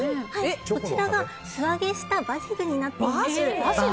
こちらが素揚げしたバジルになっています。